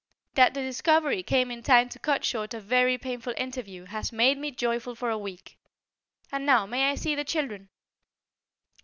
"That the discovery came in time to cut short a very painful interview has made me joyful for a week. "And now may I see the children?"